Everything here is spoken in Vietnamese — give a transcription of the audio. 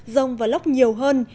rông và lóc nhiều hơn